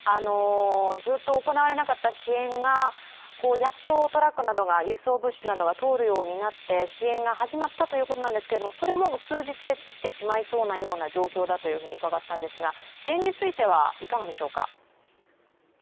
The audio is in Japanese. ずっと行われなかった支援がやっとトラックなどが、輸送物資などが通るようになって支援が始まったということなんですけど、それも数日で尽きてしまいそうな状況ということですが、支援についてはいかがでしょうか。